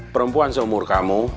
perempuan seumur kamu